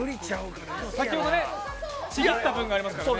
先ほどちぎった分がありますからね。